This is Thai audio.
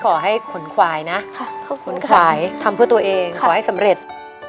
ขนควายนะขนควายทำเพื่อตัวเองขอให้สำเร็จ